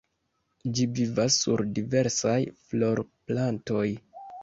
Ĝi vivas sur diversaj florplantoj.